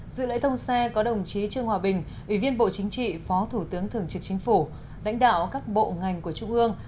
dự lễ thông xe có đồng chí trương hòa bình ủy viên bộ chính trị phó thủ tướng thường trực chính phủ lãnh đạo các bộ ngành của trung ương